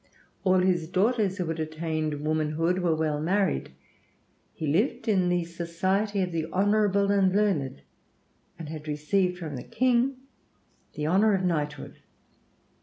All his daughters who had attained womanhood had been well married. He lived in the society of the honorable and learned, and had received from the King the honor of knighthood.